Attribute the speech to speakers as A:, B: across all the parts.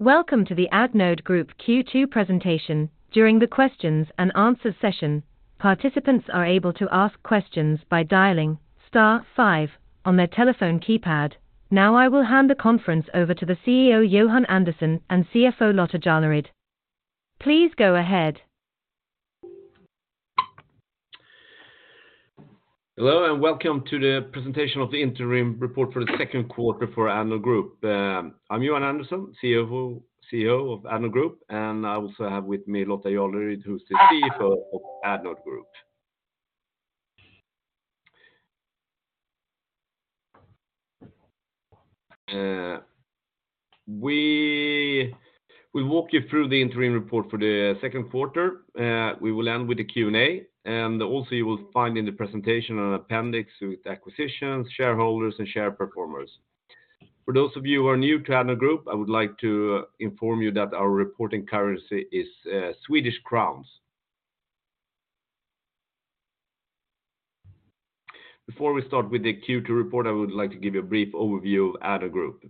A: Welcome to the Addnode Group Q2 presentation. [operator Instruction]. Now, I will hand the conference over to the CEO, Johan Andersson, and CFO, Lotta Jarleryd. Please go ahead.
B: Hello, and welcome to the presentation of the interim report for the second quarter for Addnode Group. I'm Johan Andersson, CEO of Addnode Group, and I also have with me Lotta Jarleryd, who's the CFO of Addnode Group. We walk you through the interim report for the second quarter. We will end with the Q&A. Also you will find in the presentation an appendix with acquisitions, shareholders, and share performers. For those of you who are new to Addnode Group, I would like to inform you that our reporting currency is Swedish krona. Before we start with the Q2 report, I would like to give you a brief overview of Addnode Group.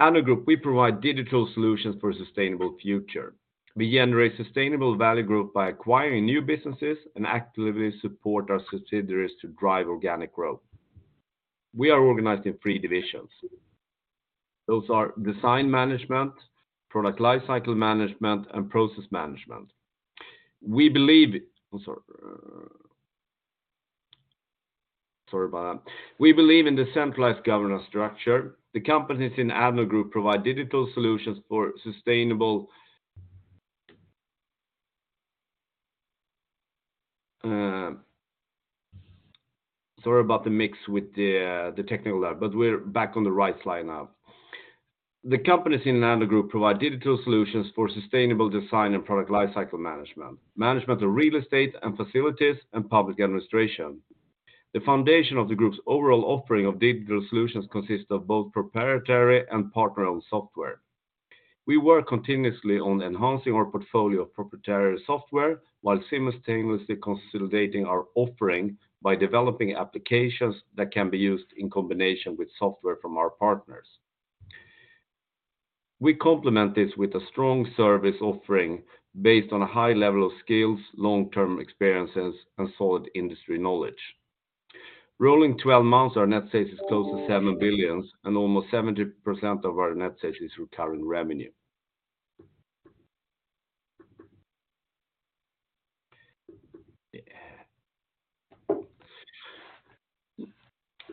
B: Addnode Group, we provide digital solutions for a sustainable future. We generate sustainable value group by acquiring new businesses and actively support our distributors to drive organic growth. We are organized in three divisions. Those are Design Management, Product Lifecycle Management, and Process Management. I'm sorry. Sorry about that. We believe in the centralized governance structure. The companies in Addnode Group provide digital solutions for sustainable. Sorry about the mix with the technical lab, but we're back on the right slide now. The companies in Addnode Group provide digital solutions for sustainable design and Product Lifecycle Management, management of real estate and facilities and public administration. The foundation of the group's overall offering of digital solutions consists of both proprietary and partner-owned software. We work continuously on enhancing our portfolio of proprietary software, while seamlessly consolidating our offering by developing applications that can be used in combination with software from our partners. We complement this with a strong service offering based on a high level of skills, long-term experiences, and solid industry knowledge. Rolling twelve months, our net sales is close to 7 billion, and almost 70% of our net sales is recurring revenue.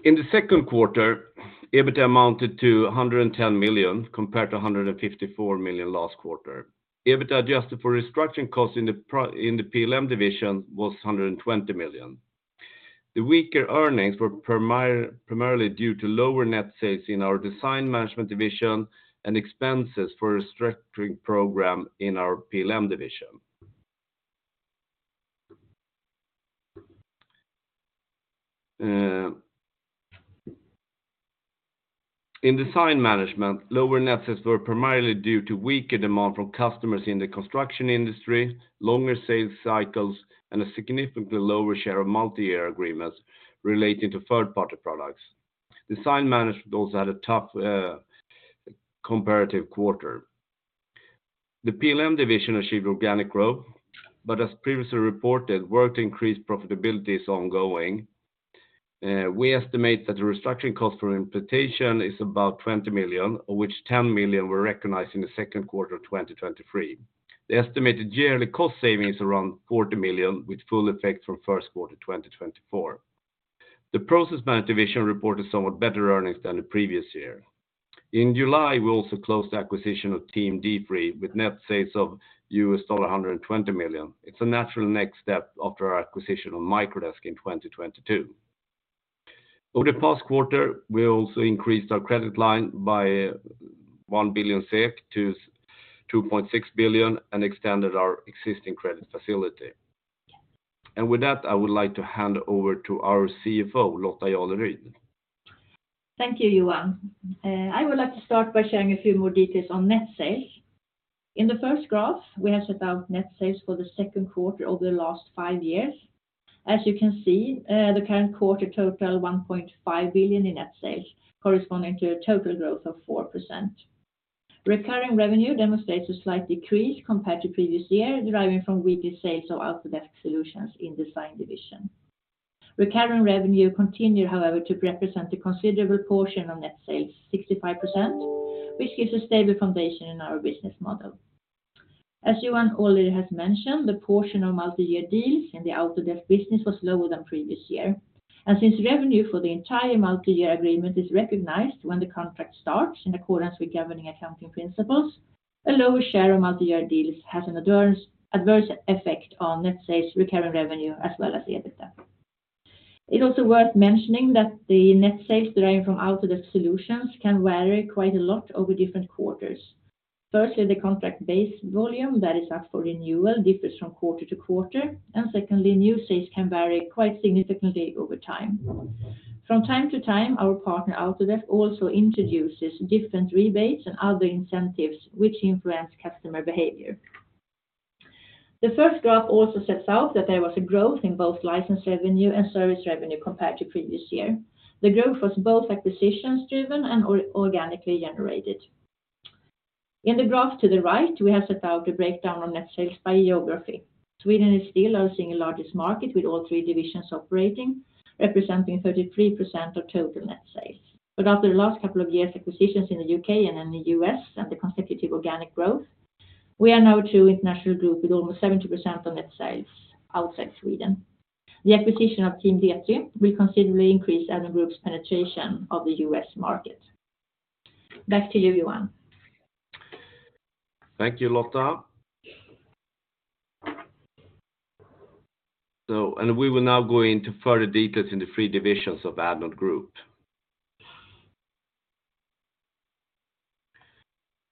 B: In the second quarter, EBITDA amounted to 110 million, compared to 154 million last quarter. EBITDA, adjusted for restructuring costs in the PLM division, was 120 million. The weaker earnings were primarily due to lower net sales in our Design Management division and expenses for restructuring program in our PLM division. In Design Management, lower net sales were primarily due to weaker demand from customers in the construction industry, longer sales cycles, and a significantly lower share of multi-year agreements relating to third-party products. Design Management also had a tough comparative quarter. The PLM division achieved organic growth, but as previously reported, work to increase profitability is ongoing. We estimate that the restructuring cost for implementation is about 20 million SEK, of which 10 million SEK were recognized in the second quarter of 2023. The estimated yearly cost savings are around 40 million SEK, with full effect from first quarter 2024. The Process Management division reported somewhat better earnings than the previous year. In July, we also closed the acquisition of Team D3, with net sales of $120 million. It's a natural next step after our acquisition of Microdesk in 2022. Over the past quarter, we also increased our credit line by 1 billion SEK to 2.6 billion SEK and extended our existing credit facility. With that, I would like to hand over to our CFO, Lotta Jarleryd.
C: Thank you, Johan. I would like to start by sharing a few more details on net sales. In the first graph, we have set out net sales for the second quarter over the last five years. As you can see, the current quarter total, 1.5 billion in net sales, corresponding to a total growth of 4%. Recurring revenue demonstrates a slight decrease compared to previous year, deriving from weaker sales of Autodesk solutions in Design division. Recurring revenue continued, however, to represent a considerable portion of net sales, 65%, which gives a stable foundation in our business model. As Johan already has mentioned, the portion of multi-year deals in the Autodesk business was lower than previous year, and since revenue for the entire multi-year agreement is recognized when the contract starts, in accordance with governing accounting principles, a lower share of multi-year deals has an adverse effect on net sales, recurring revenue, as well as the EBITDA. It's also worth mentioning that the net sales deriving from Autodesk solutions can vary quite a lot over different quarters. Firstly, the contract base volume that is up for renewal differs from quarter to quarter, and secondly, new sales can vary quite significantly over time. From time to time, our partner, Autodesk, also introduces different rebates and other incentives which influence customer behavior. The first graph also sets out that there was a growth in both license revenue and service revenue compared to previous year. The growth was both acquisitions driven and organically generated. In the graph to the right, we have set out a breakdown on net sales by geography. Sweden is still our single largest market, with all three divisions operating, representing 33% of total net sales. After the last couple of years, acquisitions in the UK and in the US, and the consecutive organic growth, we are now a true international group, with almost 70% of net sales outside Sweden. The acquisition of Team D3 will considerably increase the group's penetration of the US market. Back to you, Johan.
B: Thank you, Lotta. We will now go into further details in the three divisions of Addnode Group.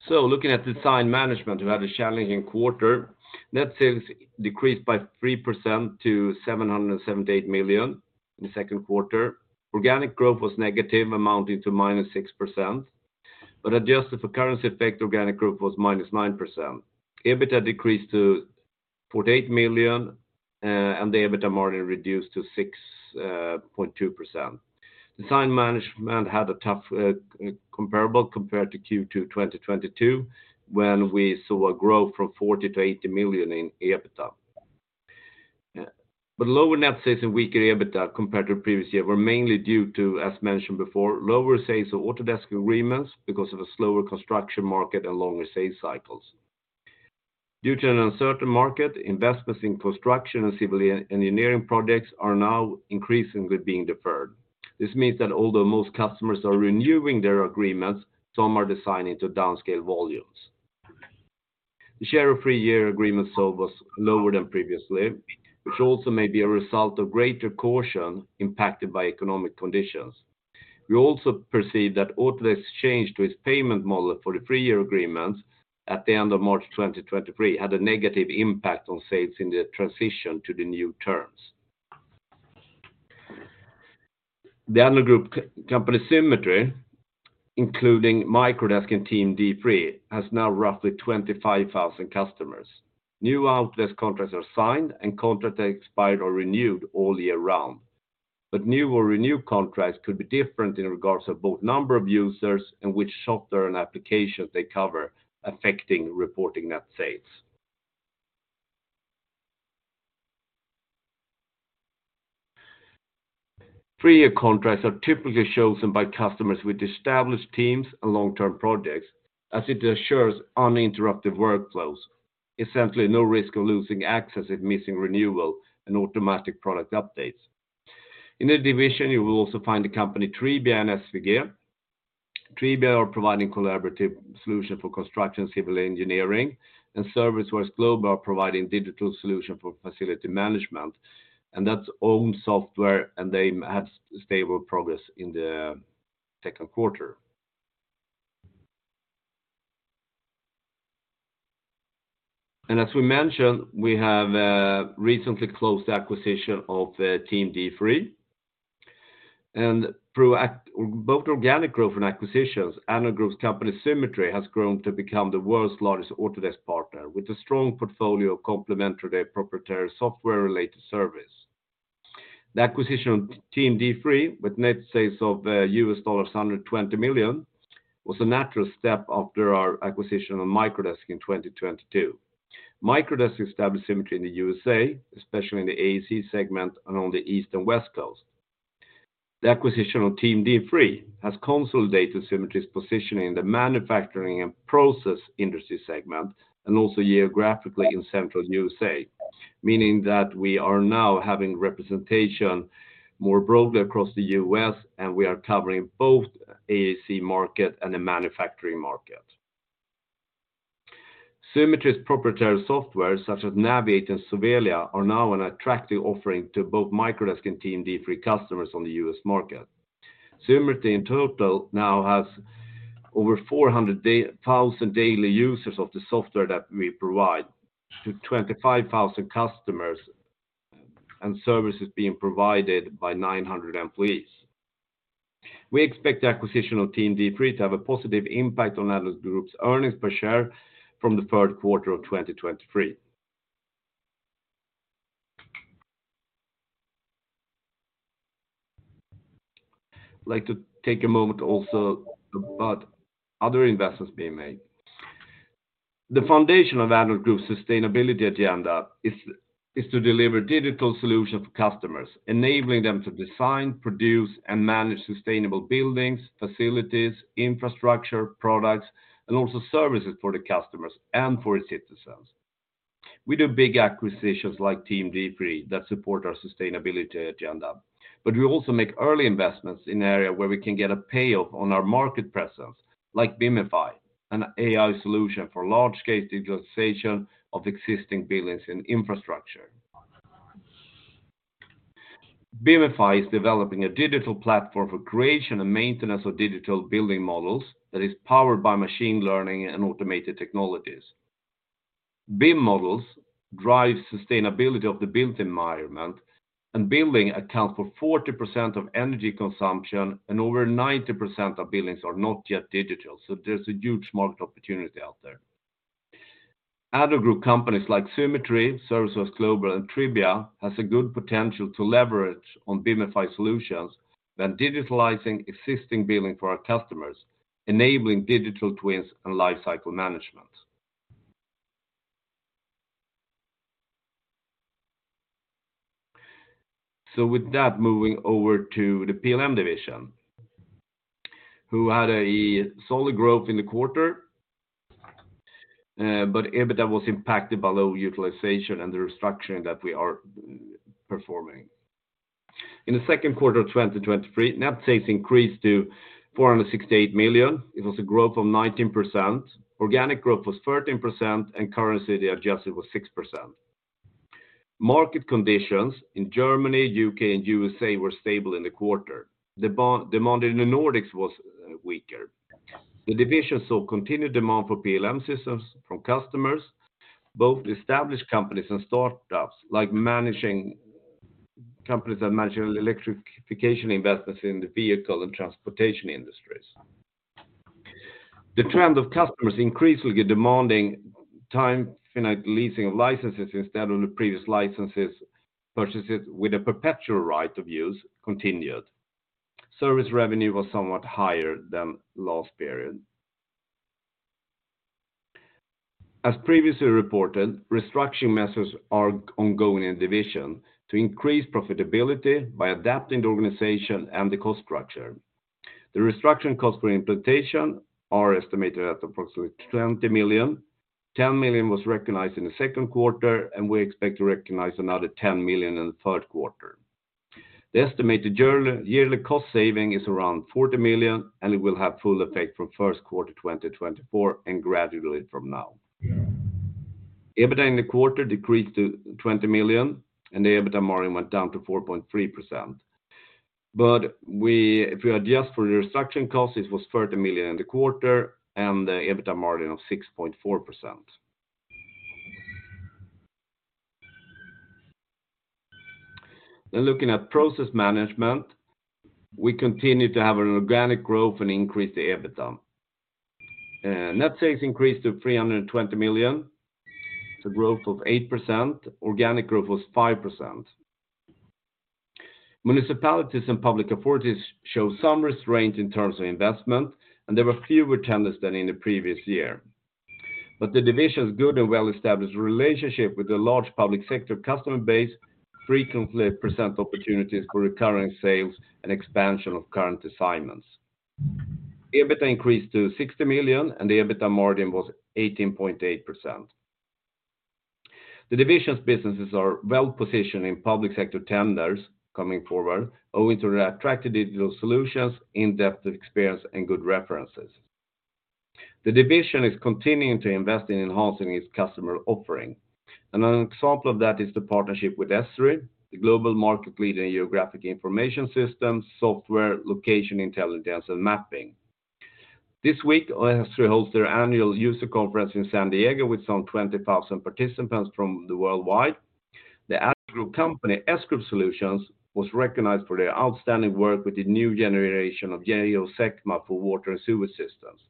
B: Looking at Design Management, we had a challenging quarter. Net sales decreased by 3% to 778 million in the second quarter. Organic growth was negative, amounting to -6%, but adjusted for currency effect, organic growth was -9%. EBITDA decreased to 48 million, and the EBITDA margin reduced to 6.2%. Design Management had a tough comparable compared to Q2 2022, when we saw a growth from 40 million-80 million in EBITDA. Lower net sales and weaker EBITDA compared to the previous year were mainly due to, as mentioned before, lower sales of Autodesk agreements because of a slower construction market and longer sales cycles. Due to an uncertain market, investments in construction and civil engineering projects are now increasingly being deferred. This means that although most customers are renewing their agreements, some are designing to downscale volumes. The share of three-year agreement sold was lower than previously, which also may be a result of greater caution impacted by economic conditions. We also perceive that Autodesk's change to its payment model for the three-year agreements at the end of March 2023, had a negative impact on sales in the transition to the new terms. The Addnode Group company, Symetri, including Microdesk and Team D3, has now roughly 25,000 customers. New Autodesk contracts are signed, and contracts are expired or renewed all year round, but new or renewed contracts could be different in regards of both number of users and which software and applications they cover, affecting reporting net sales. Three-year contracts are typically chosen by customers with established teams and long-term projects, as it assures uninterrupted workflows, essentially no risk of losing access if missing renewal and automatic product updates. In the division, you will also find the company Tribia and SWG. Tribia are providing collaborative solutions for construction and civil engineering. Service Works Global are providing digital solutions for facility management, that's own software, they have stable progress in the second quarter. As we mentioned, we have recently closed the acquisition of Team D3, and through both organic growth and acquisitions, Addnode Group's company, Symetri, has grown to become the world's largest Autodesk partner, with a strong portfolio of complementary proprietary software-related service. The acquisition of Team D3, with net sales of $120 million, was a natural step after our acquisition of Microdesk in 2022. Microdesk established Symetri in the USA, especially in the AEC segment and on the East and West Coast. The acquisition of Team D3 has consolidated Symetri's positioning in the manufacturing and process industry segment, and also geographically in central USA, meaning that we are now having representation more broadly across the US, and we are covering both AEC market and the manufacturing market. Symetri's proprietary software, such as Naviate and Sovelia, are now an attractive offering to both Microdesk and Team D3 customers on the US market. Symetri, in total, now has over 400,000 daily users of the software that we provide to 25,000 customers, and services being provided by 900 employees. We expect the acquisition of Team D3 to have a positive impact on Addnode Group's earnings per share from the third quarter of 2023. I'd like to take a moment also about other investments being made. The foundation of Addnode Group's sustainability agenda is to deliver digital solutions for customers, enabling them to design, produce, and manage sustainable buildings, facilities, infrastructure, products, and also services for the customers and for its citizens. We do big acquisitions like Team D3 that support our sustainability agenda, but we also make early investments in areas where we can get a payoff on our market presence, like Bimify, an AI solution for large-scale digitalization of existing buildings and infrastructure. Bimify is developing a digital platform for creation and maintenance of digital building models that is powered by machine learning and automated technologies. BIM models drive sustainability of the built environment. Building accounts for 40% of energy consumption. Over 90% of buildings are not yet digital. There's a huge market opportunity out there. Addnode Group companies like Symetri, Service Works Global, and Tribia, has a good potential to leverage on Bimify solutions, then digitalizing existing building for our customers, enabling digital twins and lifecycle management. With that, moving over to the PLM division, who had a solid growth in the quarter, but EBITDA was impacted by low utilization and the restructuring that we are performing. In the second quarter of 2023, net sales increased to 468 million. It was a growth of 19%. Organic growth was 13%, and currency adjusted was 6%. Market conditions in Germany, U.K., and U.S.A. were stable in the quarter. The demand in the Nordics was weaker. The division saw continued demand for PLM systems from customers, both established companies and startups, like managing companies that manage electrification investments in the vehicle and transportation industries. The trend of customers increasingly demanding time, finite leasing of licenses instead of the previous licenses, purchases with a perpetual right of use continued. Service revenue was somewhat higher than last period. As previously reported, restructuring measures are ongoing in division to increase profitability by adapting the organization and the cost structure. The restructuring costs for implementation are estimated at approximately 20 million. 10 million was recognized in the second quarter, and we expect to recognize another 10 million in the third quarter. The estimated journal- yearly cost saving is around 40 million, and it will have full effect from first quarter 2024 and gradually from now. EBITDA in the quarter decreased to 20 million, and the EBITDA margin went down to 4.3%. If we adjust for the restructuring costs, it was 30 million in the quarter and the EBITDA margin of 6.4%. Looking at Process Management, we continue to have an organic growth and increase the EBITDA. Net sales increased to 320 million, it's a growth of 8%, organic growth was 5%. Municipalities and public authorities show some restraint in terms of investment, and there were fewer tenders than in the previous year. The division's good and well-established relationship with the large public sector customer base frequently present opportunities for recurring sales and expansion of current assignments. EBITDA increased to 60 million, and the EBITDA margin was 18.8%. The division's businesses are well positioned in public sector tenders coming forward, owing to their attractive digital solutions, in-depth experience, and good references. The division is continuing to invest in enhancing its customer offering. Another example of that is the partnership with S3, the global market leader in geographic information systems, software, location, intelligence, and mapping. This week, S3 holds their annual user conference in San Diego with some 20,000 participants from the worldwide. The Addnode Group company, S-Group Solutions, was recognized for their outstanding work with the new generation of GEOSECMA for water and sewer systems.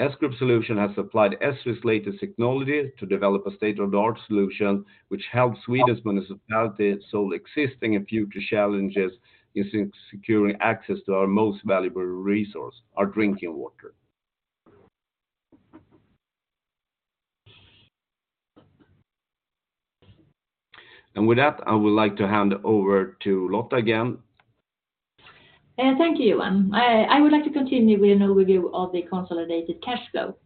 B: S-Group Solutions has applied S3's latest technology to develop a state-of-the-art solution, which helps Sweden's municipality solve existing and future challenges in securing access to our most valuable resource, our drinking water. With that, I would like to hand over to Lotta again.
C: Thank you, Johan. I would like to continue with an overview of the consolidated cash flow.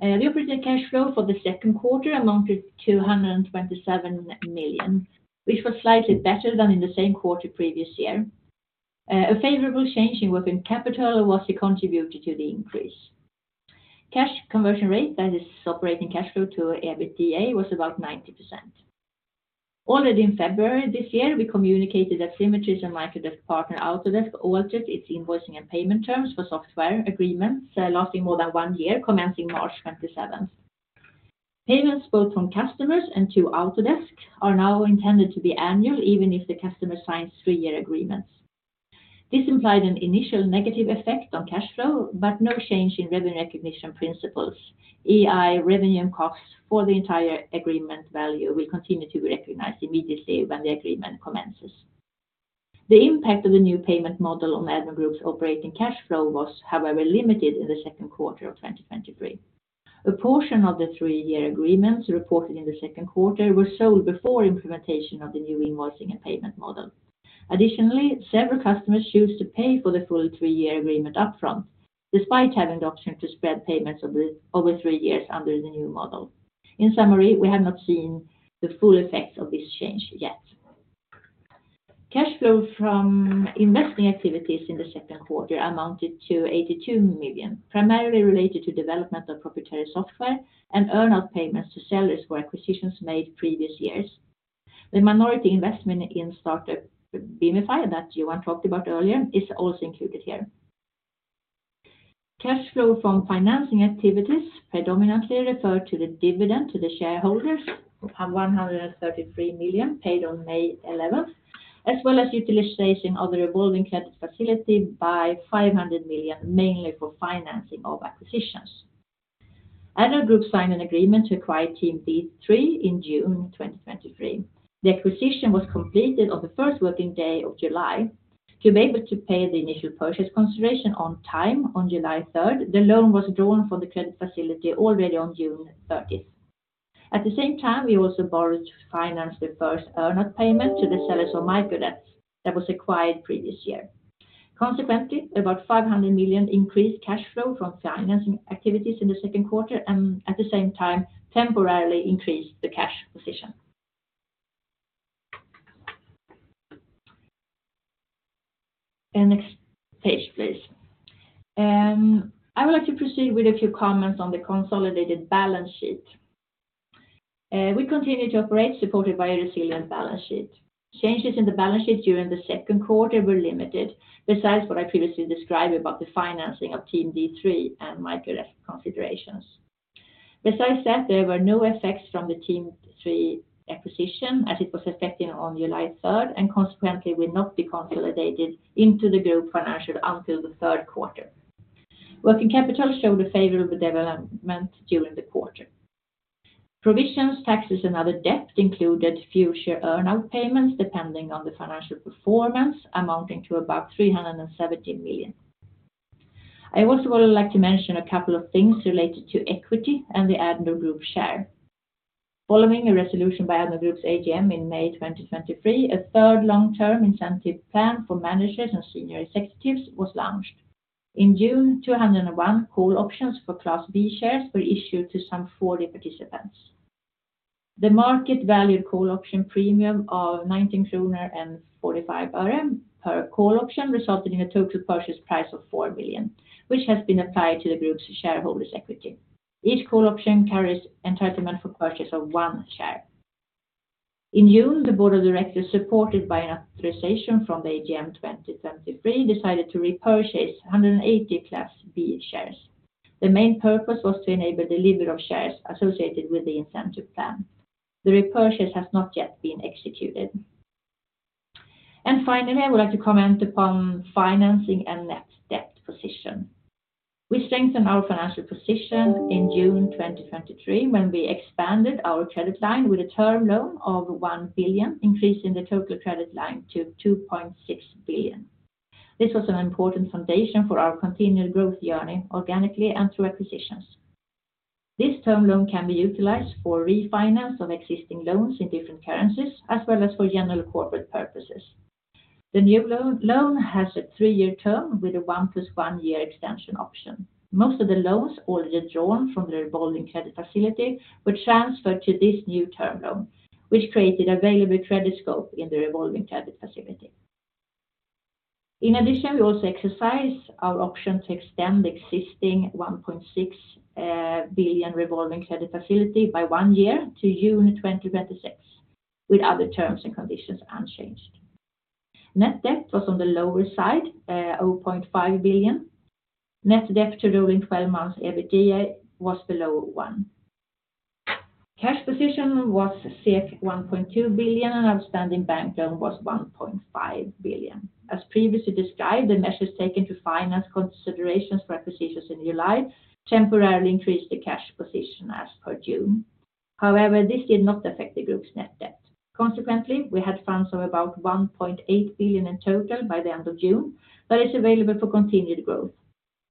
C: The operating cash flow for the second quarter amounted to 227 million, which was slightly better than in the same quarter previous year. A favorable change in working capital was the contributor to the increase. Cash conversion rate, that is operating cash flow to EBITDA, was about 90%. Already in February this year, we communicated that Symetri and Microdesk partner, Autodesk, altered its invoicing and payment terms for software agreements, lasting more than one year, commencing March 27th. Payments both from customers and to Autodesk are now intended to be annual, even if the customer signs three-year agreements. This implied an initial negative effect on cash flow, but no change in revenue recognition principles, EI revenue and costs for the entire agreement value will continue to be recognized immediately when the agreement commences. The impact of the new payment model on Addnode Group's operating cash flow was, however, limited in the second quarter of 2023. A portion of the 3-year agreements reported in the second quarter were sold before implementation of the new invoicing and payment model. Several customers choose to pay for the full 3-year agreement upfront, despite having the option to spread payments over three years under the new model. In summary, we have not seen the full effects of this change yet. Cash flow from investing activities in the second quarter amounted to 82 million, primarily related to development of proprietary software and earn-out payments to sellers for acquisitions made previous years. The minority investment in startup, Bimify, that Johan talked about earlier, is also included here. Cash flow from financing activities predominantly refer to the dividend to the shareholders of 133 million paid on May 11th, as well as utilization of the revolving credit facility by 500 million, mainly for financing of acquisitions. Addnode Group signed an agreement to acquire Team D3 in June 2023. The acquisition was completed on the first working day of July. To be able to pay the initial purchase consideration on time on July 3rd, the loan was drawn for the credit facility already on June 30th. At the same time, we also borrowed to finance the first earn out payment to the sellers of Microdesk that was acquired previous year. Consequently, about 500 million increased cash flow from financing activities in the second quarter, and at the same time temporarily increased the cash position. Next page, please. I would like to proceed with a few comments on the consolidated balance sheet. We continue to operate, supported by a resilient balance sheet. Changes in the balance sheet during the second quarter were limited, besides what I previously described about the financing of Team D3 and Microdesk configurations. Besides that, there were no effects from the Team D3 acquisition, as it was effective on July 3rd, and consequently will not be consolidated into the group financial until the third quarter. Working capital showed a favorable development during the quarter. Provisions, taxes, and other debt included future earn out payments, depending on the financial performance, amounting to about 370 million. I also would like to mention a couple of things related to equity and the Addnode Group share. Following a resolution by Addnode Group's AGM in May 2023, a third long-term incentive plan for managers and senior executives was launched. In June, 201 call options for Class B shares were issued to 40 participants. The market valued call option premium of SEK 19.45 per call option resulted in a total purchase price of 4 million, which has been applied to the group's shareholders' equity. Each call option carries entitlement for purchase of one share. In June, the board of directors, supported by an authorization from the AGM 2023, decided to repurchase 180 Class B shares. The main purpose was to enable delivery of shares associated with the incentive plan. The repurchase has not yet been executed. Finally, I would like to comment upon financing and net debt position. We strengthened our financial position in June 2023, when we expanded our credit line with a term loan of 1 billion, increasing the total credit line to 2.6 billion. This was an important foundation for our continued growth journey, organically and through acquisitions. This term loan can be utilized for refinance of existing loans in different currencies, as well as for general corporate purposes. The new loan has a three-year term with a 1 plus 1 year extension option. Most of the loans already drawn from the revolving credit facility were transferred to this new term loan, which created available credit scope in the revolving credit facility. In addition, we also exercise our option to extend the existing 1.6 billion revolving credit facility by one year to June 2026, with other terms and conditions unchanged. Net debt was on the lower side, 0.5 billion. Net debt to rolling 12 months EBITDA was below 1. Cash position was safe 1.2 billion, and outstanding bank loan was 1.5 billion. As previously described, the measures taken to finance considerations for acquisitions in July temporarily increased the cash position as per June. However, this did not affect the group's net debt. Consequently, we had funds of about 1.8 billion in total by the end of June, that is available for continued growth.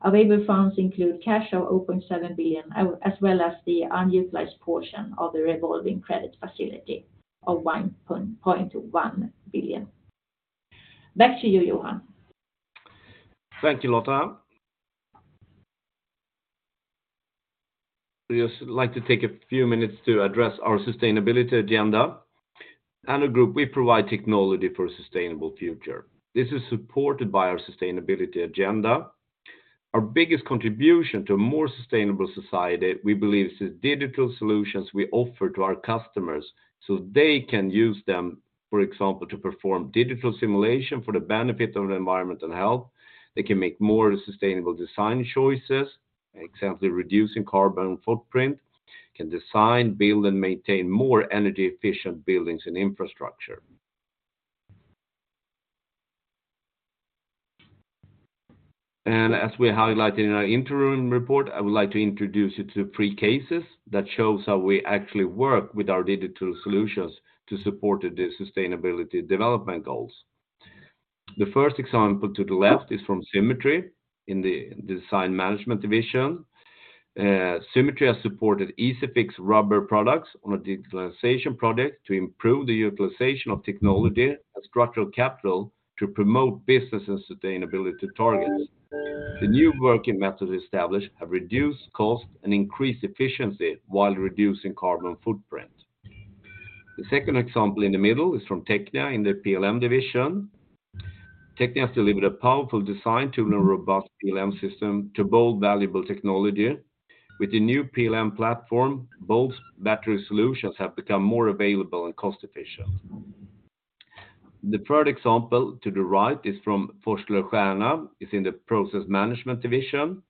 C: Available funds include cash of 0.7 billion, as well as the unutilized portion of the revolving credit facility of 1.1 billion. Back to you, Johan.
B: Thank you, Lotta. We just like to take a few minutes to address our sustainability agenda. Addnode Group, we provide technology for a sustainable future. This is supported by our sustainability agenda. Our biggest contribution to a more sustainable society, we believe, is the digital solutions we offer to our customers, so they can use them, for example, to perform digital simulation for the benefit of the environment and health. They can make more sustainable design choices, exactly reducing carbon footprint, can design, build, and maintain more energy-efficient buildings and infrastructure. As we highlighted in our interim report, I would like to introduce you to three cases that shows how we actually work with our digital solutions to support the sustainability development goals. The first example to the left is from Symetri in the Design Management division. Symetri has supported EASYFIX Rubber Products on a digitalization project to improve the utilization of technology and structural capital to promote business and sustainability targets. The new working methods established have reduced costs and increased efficiency while reducing carbon footprint. The second example in the middle is from TECHNIA in the PLM division. TECHNIA has delivered a powerful design tool and a robust PLM system to build valuable technology. With the new PLM platform, both battery solutions have become more available and cost-efficient. The third example to the right is from Forsler & Stjerna, is in the Process Management division.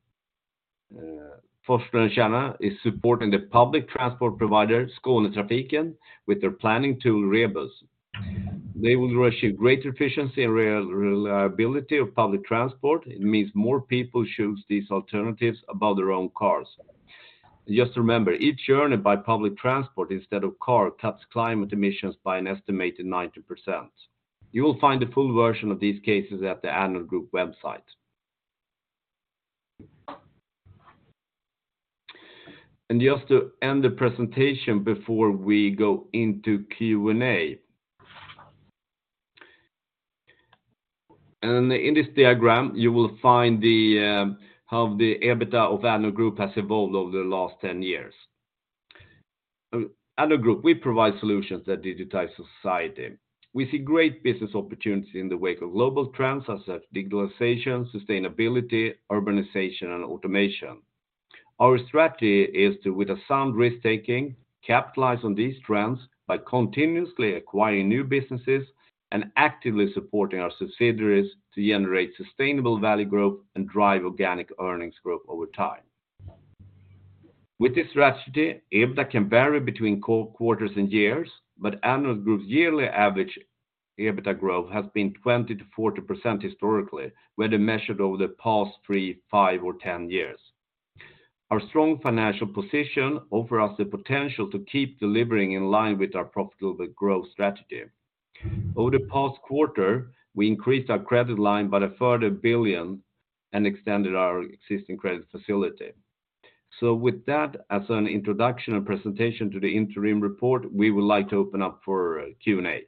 B: Forsler & Stjerna is supporting the public transport provider, Skånetrafiken, with their planning tool, REBUS. They will receive greater efficiency and reliability of public transport. It means more people choose these alternatives above their own cars. Just remember, each journey by public transport instead of car cuts climate emissions by an estimated 90%. You will find the full version of these cases at the Addnode Group website. Just to end the presentation before we go into Q&A. In this diagram, you will find the how the EBITDA of Addnode Group has evolved over the last 10 years. Addnode Group, we provide solutions that digitize society. We see great business opportunities in the wake of global trends as digitalization, sustainability, urbanization, and automation. Our strategy is to, with a sound risk-taking, capitalize on these trends by continuously acquiring new businesses and actively supporting our subsidiaries to generate sustainable value growth and drive organic earnings growth over time. With this strategy, EBITDA can vary between quarters and years, but Addnode Group's yearly average EBITDA growth has been 20%-40% historically, when measured over the past 3, 5, or 10 years. Our strong financial position offer us the potential to keep delivering in line with our profitable growth strategy. Over the past quarter, we increased our credit line by a further 1 billion and extended our existing credit facility. With that, as an introduction and presentation to the interim report, we would like to open up for Q&A.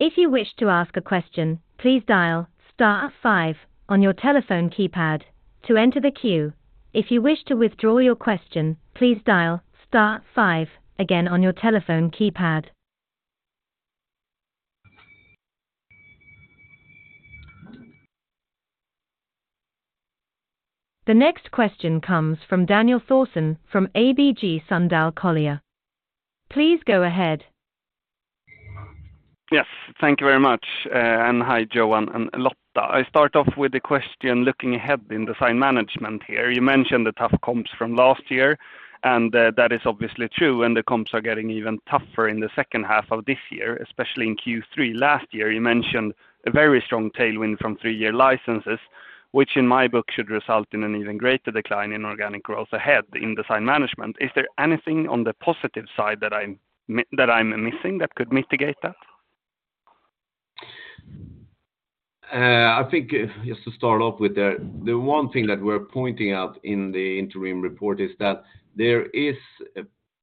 A: If you wish to ask a question, please dial star five on your telephone keypad to enter the queue. If you wish to withdraw your question, please dial star five again on your telephone keypad. The next question comes from Daniel Thorsson from ABG Sundal Collier. Please go ahead.
D: Yes, thank you very much, and hi, Johan and Lotta. I start off with a question, looking ahead in Design Management here. You mentioned the tough comps from last year, and that is obviously true, and the comps are getting even tougher in the second half of this year, especially in Q3 last year. You mentioned a very strong tailwind from 3-year licenses, which in my book should result in an even greater decline in organic growth ahead in Design Management. Is there anything on the positive side that I'm missing that could mitigate that?
B: I think, just to start off with the one thing that we're pointing out in the interim report is that there is,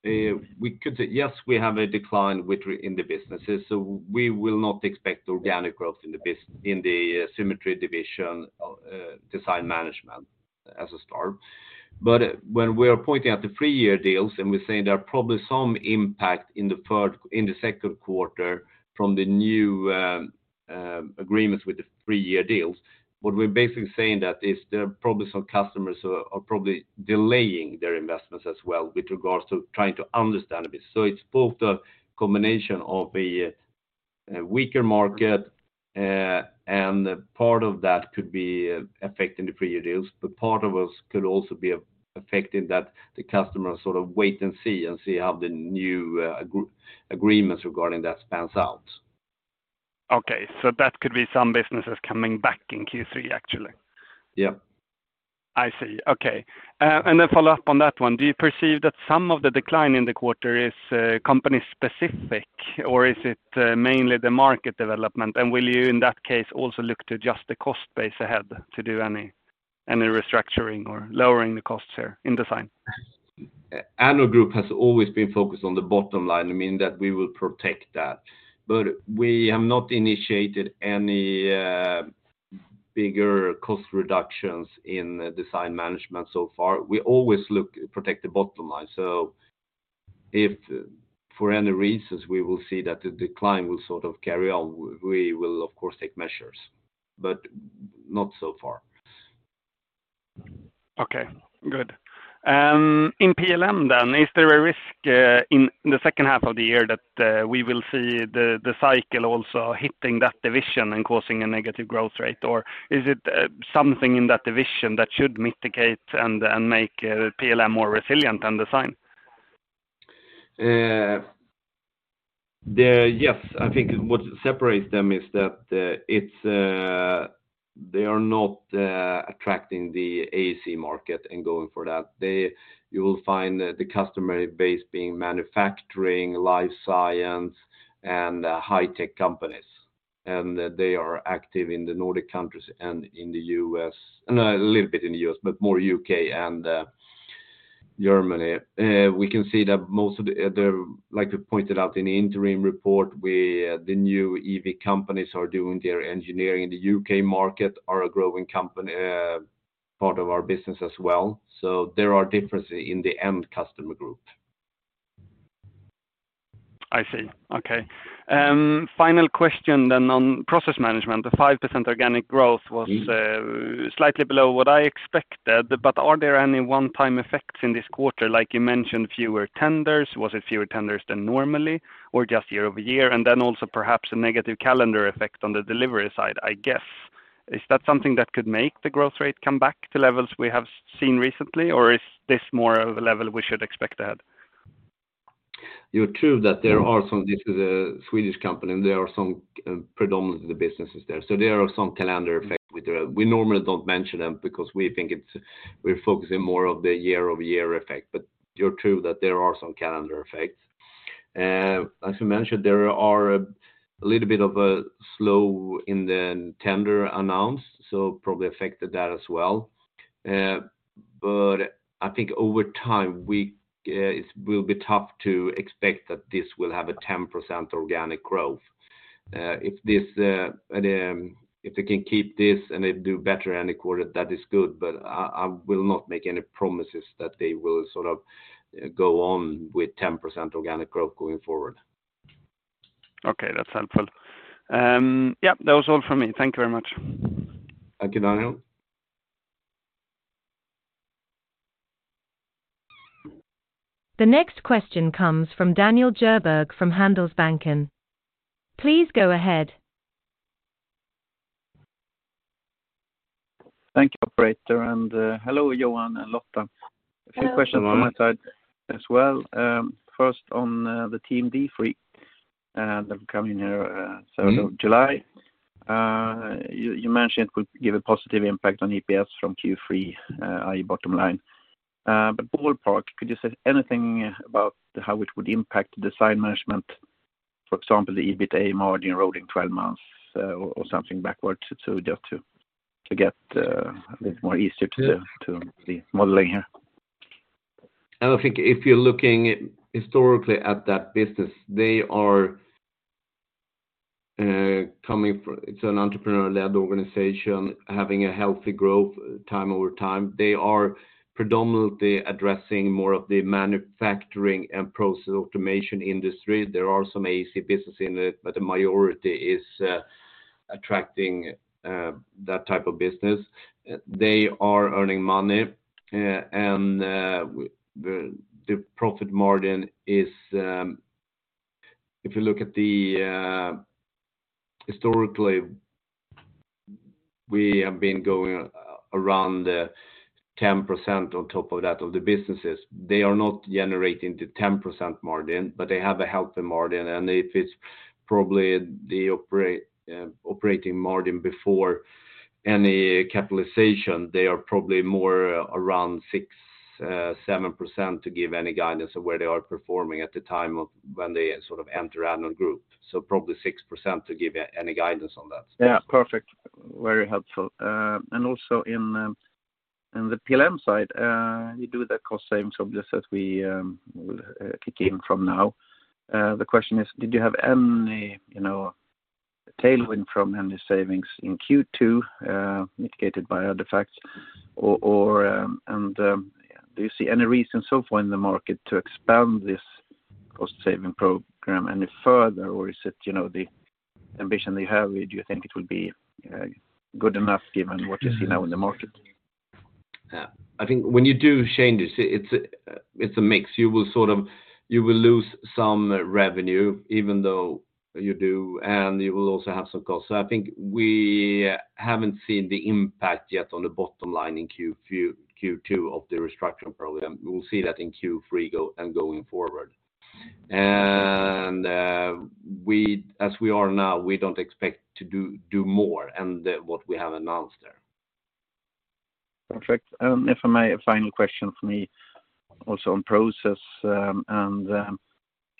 B: we could say, yes, we have a decline with in the businesses, we will not expect organic growth in the Symetri division of, Design Management as a start. When we are pointing out the 3-year deals, and we're saying there are probably some impact in the third, in the second quarter from the new agreements with the 3-year deals, what we're basically saying that is there are probably some customers who are probably delaying their investments as well with regards to trying to understand a bit. It's both a combination of a weaker market, and part of that could be affecting the three-year deals, but part of us could also be affecting that the customers sort of wait and see and see how the new agreements regarding that spans out.
D: Okay, that could be some businesses coming back in Q3, actually?
B: Yeah.
D: I see. Okay, and a follow-up on that one. Do you perceive that some of the decline in the quarter is company specific, or is it mainly the market development? Will you, in that case, also look to adjust the cost base ahead to do any restructuring or lowering the costs here in design?
B: Addnode Group has always been focused on the bottom line. I mean, that we will protect that, but we have not initiated any bigger cost reductions in the Design Management so far. We always look to protect the bottom line. If for any reasons, we will see that the decline will sort of carry on, we will, of course, take measures, but not so far.
D: Okay, good. In PLM then, is there a risk in the second half of the year that we will see the cycle also hitting that division and causing a negative growth rate? Is it something in that division that should mitigate and make PLM more resilient than Design?
B: Yes, I think what separates them is that they are not attracting the AEC market and going for that. You will find the customer base being manufacturing, life science, and high tech companies, and they are active in the Nordic countries and in the US, a little bit in the US, but more UK. and Germany. We can see that most of the, like we pointed out in the interim report, we, the new EV companies are doing their engineering in the UK. market are a growing company, part of our business as well. There are differences in the end customer group.
D: I see. Okay, final question on Process Management, the 5% organic growth was slightly below what I expected. Are there any one-time effects in this quarter? Like you mentioned, fewer tenders, was it fewer tenders than normally or just year-over-year? Also perhaps a negative calendar effect on the delivery side, I guess. Is that something that could make the growth rate come back to levels we have seen recently, or is this more of a level we should expect ahead?
B: You're true that there are some, this is a Swedish company, and there are some predominantly the businesses there. There are some calendar effects with there. We normally don't mention them because we think we're focusing more of the year-over-year effect, but you're true that there are some calendar effects. As you mentioned, there are a little bit of a slow in the tender announced, probably affected that as well. I think over time, we it will be tough to expect that this will have a 10% organic growth. If this and if we can keep this and it do better any quarter, that is good, but I will not make any promises that they will sort of go on with 10% organic growth going forward.
D: Okay, that's helpful. Yep, that was all from me. Thank you very much.
B: Thank you, Daniel.
A: The next question comes from Daniel Djurberg from Handelsbanken. Please go ahead.
E: Thank you, operator, and, hello, Johan and Lotta.
B: Hello.
E: A few questions from my side as well. First on the Team D3 that coming here seventh of July. You mentioned it would give a positive impact on EPS from Q3, i.e., bottom line. Ballpark, could you say anything about how it would impact the Design Management, for example, the EBITA margin rolling 12 months, or something backwards to get a bit more easier to the modeling here?
B: I don't think if you're looking historically at that business, they are coming from. It's an entrepreneur-led organization, having a healthy growth time over time. They are predominantly addressing more of the manufacturing and process automation industry. There are some AEC business in it, but the majority is attracting that type of business. They are earning money, and the profit margin is, if you look at the historically, we have been going around the 10% on top of that, of the businesses. They are not generating the 10% margin, but they have a healthy margin, and if it's probably the operating margin before any capitalization, they are probably more around 6%-7% to give any guidance on where they are performing at the time of when they sort of enter Addnode Group. Probably 6% to give any guidance on that.
E: Yeah, perfect. Very helpful. Also in the PLM side, you do the cost savings, obviously, that we will kick in from now. Question is, did you have any, you know, tailwind from any savings in Q2, mitigated by other facts? Or do you see any reasons so far in the market to expand this cost saving program any further? Or is it, you know, the ambition they have, do you think it will be good enough given what you see now in the market?
B: I think when you do changes, it's a mix. You will sort of, you will lose some revenue, even though you do, and you will also have some costs. I think we haven't seen the impact yet on the bottom line in Q2 of the restructuring program. We will see that in Q3 and going forward. As we are now, we don't expect to do more and what we have announced there.
E: Perfect. If I may, a final question for me, also on process, and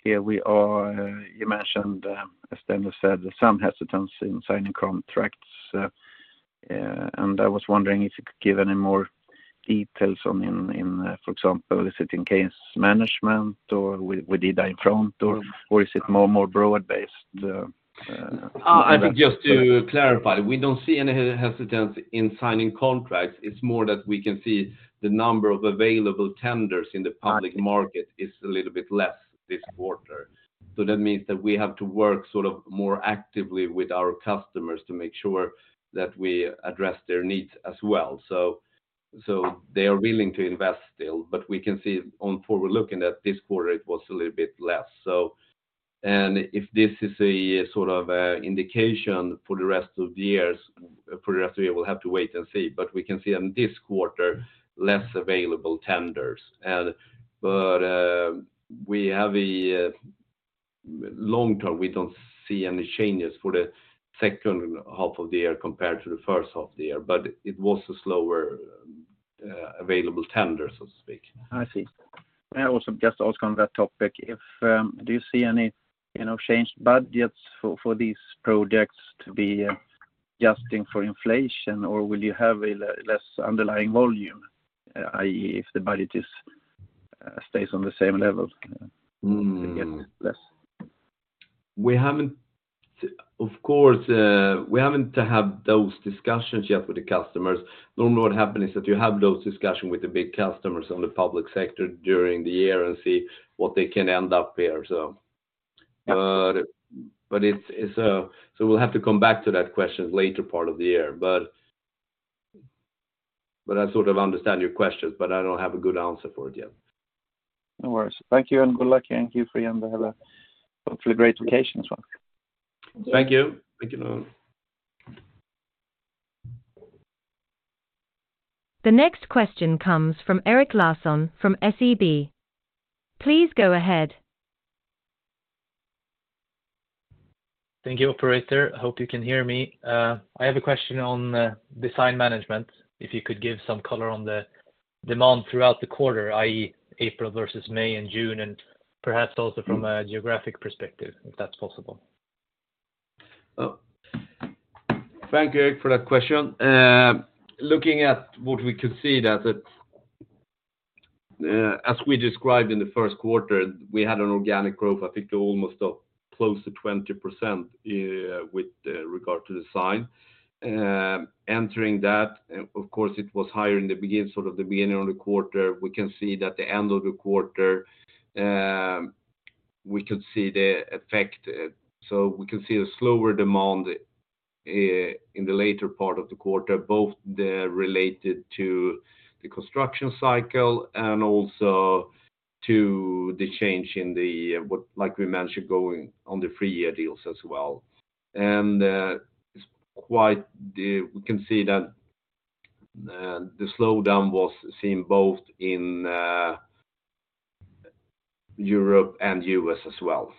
E: here we are, you mentioned, as Daniel said, some hesitancy in signing contracts, and I was wondering if you could give any more details on, for example, is it in case management or with the iFront or is it more broad-based?
B: I think just to clarify, we don't see any hesitancy in signing contracts. It's more that we can see the number of available tenders in the public market is a little bit less this quarter. That means that we have to work sort of more actively with our customers to make sure that we address their needs as well. They are willing to invest still, but we can see on forward looking that this quarter it was a little bit less. If this is a sort of an indication for the rest of the year, we'll have to wait and see. We can see on this quarter, less available tenders. We have a long term, we don't see any changes for the second half of the year compared to the first half of the year, but it was a slower, available tender, so to speak.
E: I see. May I also just ask on that topic, if, do you see any, you know, changed budgets for these projects to be adjusting for inflation, or will you have less underlying volume, i.e., if the budget is, stays on the same level?
B: We haven't, of course, we haven't to have those discussions yet with the customers. Normally, what happens is that you have those discussion with the big customers on the public sector during the year and see what they can end up here. But it's, So we'll have to come back to that question later part of the year. I sort of understand your question, but I don't have a good answer for it yet.
E: No worries. Thank you, and good luck. Thank you for you, and have a hopefully great vacation as well.
A: The next question comes from Erik Larsson from SEB. Please go ahead.
F: Thank you, operator. I hope you can hear me. I have a question on Design Management. If you could give some color on the demand throughout the quarter, i.e., April versus May and June, and perhaps also from a geographic perspective, if that's possible.
B: Thank you, Erik, for that question. Looking at what we can see that it, as we described in the first quarter, we had an organic growth, I think, almost up close to 20% with regard to Design. Entering that, of course, it was higher in the beginning, sort of the beginning of the quarter. We can see that the end of the quarter, we could see the effect. We can see a slower demand in the later part of the quarter, both related to the construction cycle and also to the change in the, like we mentioned, going on the 3-year deals as well. It's quite the, we can see that the slowdown was seen both in Europe and US as well,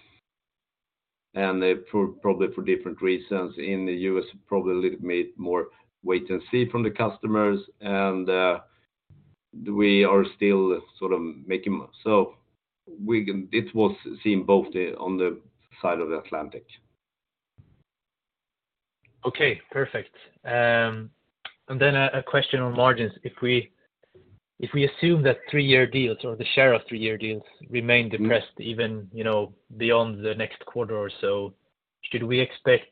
B: and it, probably for different reasons. In the US, probably a little bit more wait and see from the customers, and it was seen both on the side of the Atlantic.
F: Okay, perfect. A question on margins. If we assume that 3-year deals or the share of 3-year deals remain depressed, even, you know, beyond the next quarter or so, should we expect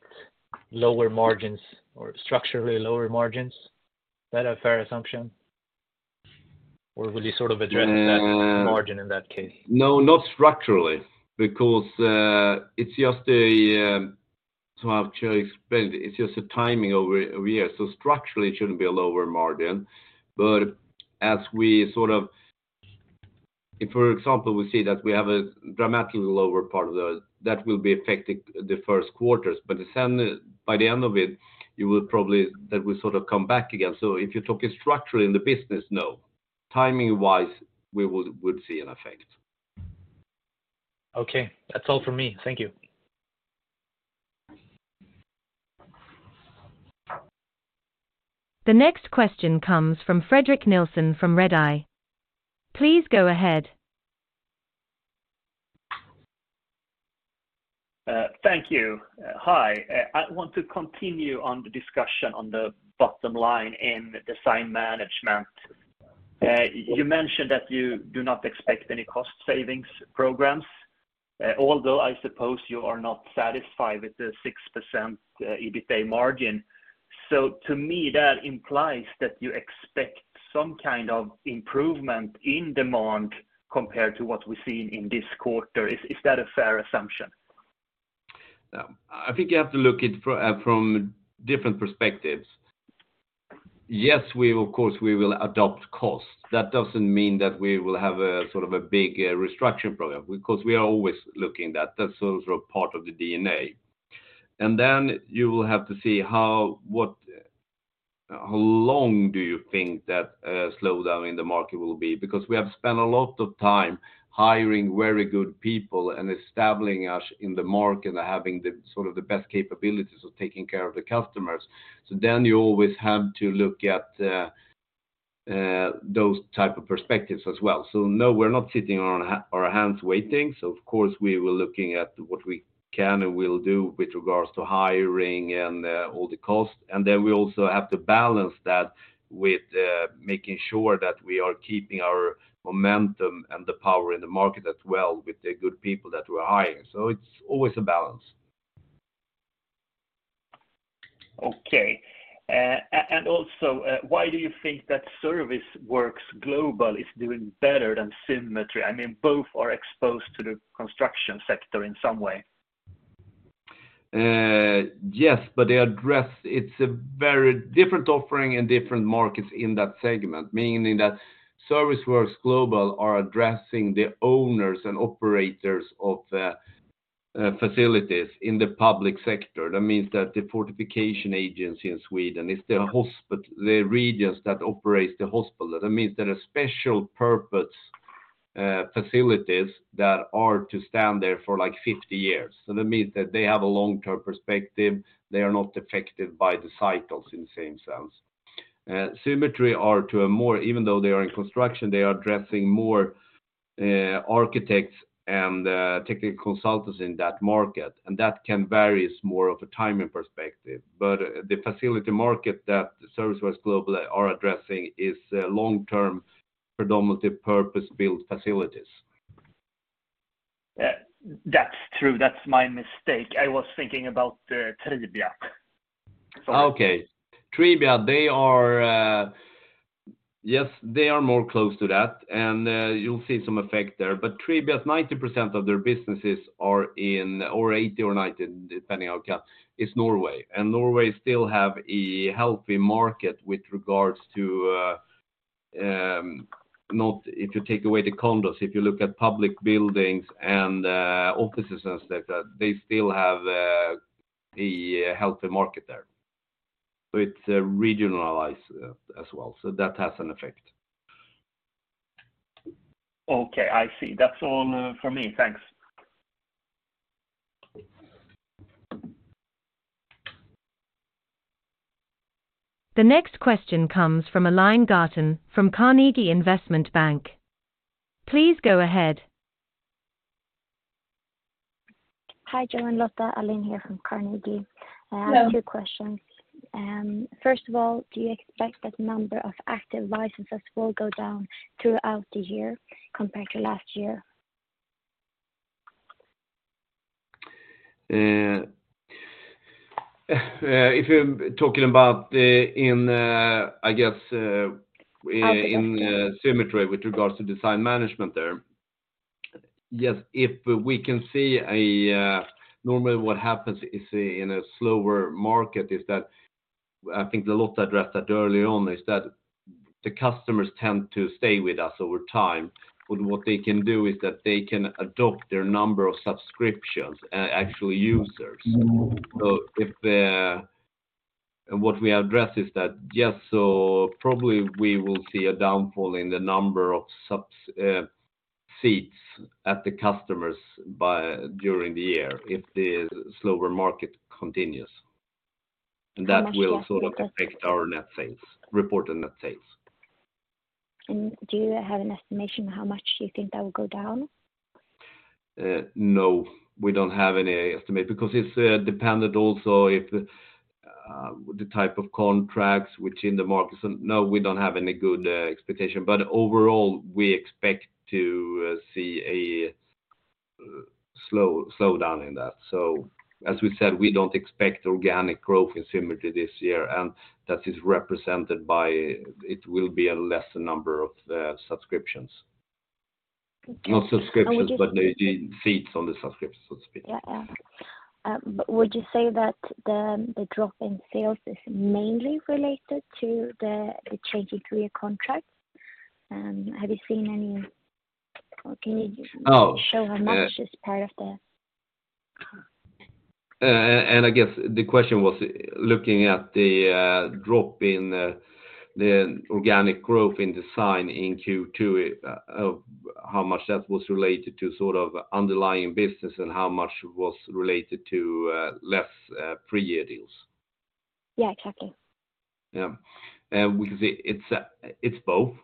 F: lower margins or structurally lower margins? Is that a fair assumption, or would you sort of address that margin in that case?
B: No, not structurally, because it's just a, to actually explain, it's just a timing over here. Structurally, it shouldn't be a lower margin, but as we sort of, if, for example, we see that we have a dramatically lower part of those, that will be affecting the first quarters, but the second, by the end of it, you will probably, that will sort of come back again. If you're talking structurally in the business, no. Timing-wise, we would see an effect.
F: Okay, that's all for me. Thank you.
A: The next question comes from Fredrik Nilsson from Redeye. Please go ahead.
G: Thank you. Hi, I want to continue on the discussion on the bottom line in Design Management. You mentioned that you do not expect any cost savings programs, although I suppose you are not satisfied with the 6% EBITDA margin. To me, that implies that you expect some kind of improvement in demand compared to what we've seen in this quarter. Is that a fair assumption?
B: I think you have to look it from different perspectives. Yes, we, of course, we will adopt costs. That doesn't mean that we will have a sort of a big restructure program, because we are always looking at that. That's also a part of the DNA. You will have to see how, what, how long do you think that slowdown in the market will be? Because we have spent a lot of time hiring very good people and establishing us in the market and having the, sort of the best capabilities of taking care of the customers. You always have to look at those type of perspectives as well. No, we're not sitting on our hands waiting. Of course, we were looking at what we can and will do with regards to hiring and all the costs. Then we also have to balance that with making sure that we are keeping our momentum and the power in the market as well, with the good people that we are hiring. It's always a balance.
G: Okay. Also, why do you think that Service Works Global is doing better than Symetri? I mean, both are exposed to the construction sector in some way.
B: Yes, but it's a very different offering in different markets in that segment, meaning that Service Works Global are addressing the owners and operators of the facilities in the public sector. That means that the fortifications agency in Sweden, it's the hospital, the regions that operates the hospital. That means there are special purpose facilities that are to stand there for like 50 years. That means that they have a long-term perspective. They are not affected by the cycles in the same sense. Symetri are to a more, even though they are in construction, they are addressing more architects and technical consultants in that market, and that can vary as more of a timing perspective. The facility market that Service Works Global are addressing is predominantly purpose-built facilities.
G: Yeah, that's true. That's my mistake. I was thinking about Tribia. Sorry.
B: Okay. Tribia, they are. Yes, they are more close to that, and you'll see some effect there, but Tribia, 90% of their businesses are in 80% or 90%, depending on how, it's Norway. Norway still have a healthy market with regards to, not if you take away the condos, if you look at public buildings and offices and stuff, that they still have a healthy market there. It's regionalized as well, so that has an effect.
G: Okay, I see. That's all for me. Thanks.
A: The next question comes from Aline Ghatan from Carnegie Investment Bank. Please go ahead.
H: Hi, Johan, Lotta. Aline here from Carnegie. Hello. I have two questions. First of all, do you expect that the number of active licenses will go down throughout the year compared to last year?
B: If you're talking about the, in the, I guess. In Symetri with regards to Design Management there. Normally, what happens is in a slower market is that, I think the Lotta addressed that early on, is that the customers tend to stay with us over time, but what they can do is that they can adopt their number of subscriptions and actual users. What we address is that: yes, probably we will see a downfall in the number of subs, seats at the customers by, during the year, if the slower market continues. That will sort of affect our net sales, reported net sales.
H: Do you have an estimation, how much do you think that will go down?
B: No, we don't have any estimate because it's dependent also if the type of contracts. No, we don't have any good expectation, but overall, we expect to see a slowdown in that. As we said, we don't expect organic growth in Symetri this year, and that is represented by, it will be a lesser number of subscriptions. Not subscriptions-but maybe seats on the subscriptions, so to speak.
H: Yeah, yeah. Would you say that the drop in sales is mainly related to the changing three-year contract? Have you seen any? Show how much is tariff there?
B: I guess the question was looking at the drop in the organic growth in Design in Q2, how much that was related to sort of underlying business and how much was related to less three-year deals?
H: Yeah, exactly.
B: Yeah. we can see it's both.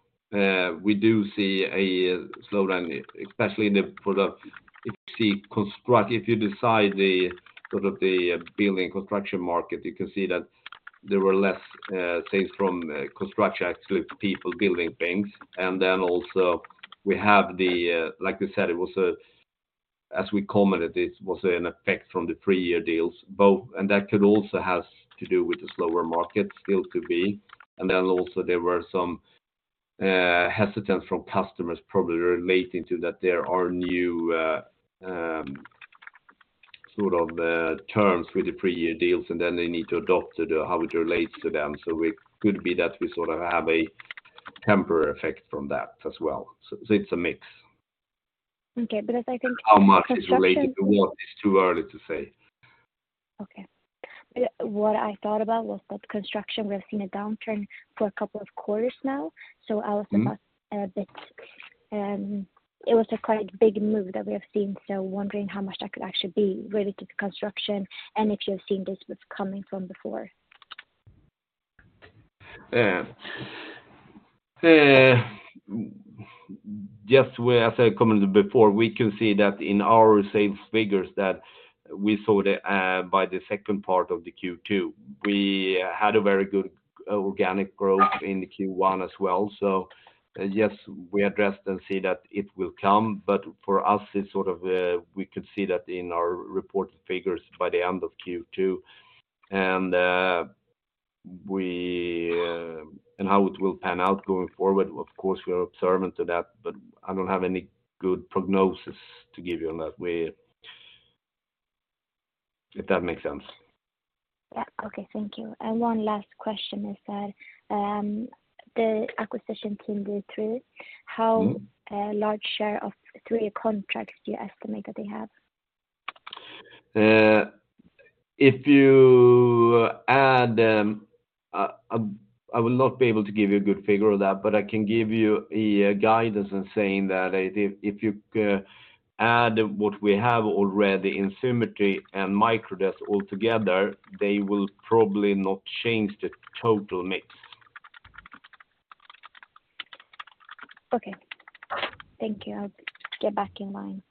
B: we do see a slowdown, especially in the product. If you see If you decide the, sort of the building construction market, you can see that there were less, things from construction, actually, people building things. Also we have the, like we said, it was a, as we commented, it was an effect from the three-year deals, both, and that could also has to do with the slower market, still could be. Also there were some, hesitance from customers, probably relating to that there are new, sort of, terms with the three-year deals, and then they need to adopt to how it relates to them. We could be that we sort of have a temporary effect from that as well. It's a mix. How much is related to what is too early to say.
H: Okay. What I thought about was that construction, we have seen a downturn for a couple of quarters now. Thinking a bit. It was a quite big move that we have seen, so wondering how much that could actually be related to construction and if you have seen this coming from before?
B: Yeah. Just as I commented before, we can see that in our sales figures that we saw the by the second part of the Q2, we had a very good organic growth in the Q1 as well. Yes, we addressed and see that it will come, but for us, it's sort of, we could see that in our report figures by the end of Q2. We, and how it will pan out going forward, of course, we are observant to that, but I don't have any good prognosis to give you on that. If that makes sense.
H: Yeah. Okay, thank you. One last question is that, the acquisition team D3. How, large share of 3-year contracts do you estimate that they have?
B: If you add, I will not be able to give you a good figure of that, but I can give you a guidance in saying that if you add what we have already in Symetri and Microdesk altogether, they will probably not change the total mix.
H: Okay. Thank you. I'll get back in line.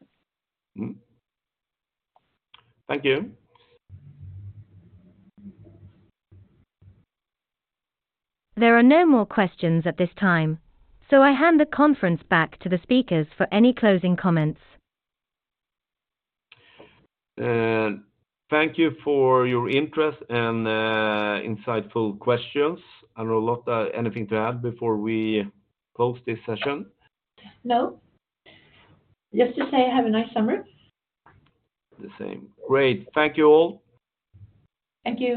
B: Thank you.
A: There are no more questions at this time. I hand the conference back to the speakers for any closing comments.
B: Thank you for your interest and insightful questions. I don't know, Lotta, anything to add before we close this session?
C: No. Just to say, have a nice summer.
B: The same. Great. Thank you, all.
C: Thank you.